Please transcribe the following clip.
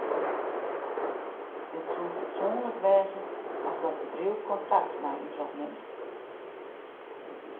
It soe fatsoenlik wêze as dat bedriuw kontakt mei ús opnimt.